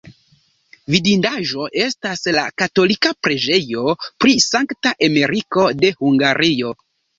Vidindaĵo estas la katolika preĝejo pri Sankta Emeriko de Hungario.